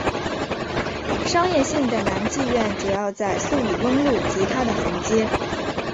商业性的男妓院主要在素里翁路及它的横街。